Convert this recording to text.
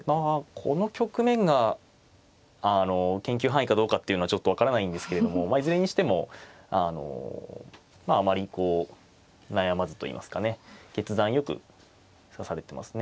この局面が研究範囲かどうかっていうのはちょっと分からないんですけれどもいずれにしてもあまりこう悩まずといいますかね決断よく指されてますね。